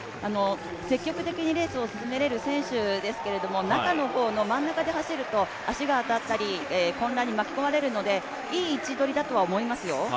積極的にレースを進められる選手ですけれども、真ん中の方で走ると足が当たったり混乱に巻き込まれるのでいい位置取りだとは思いますよ。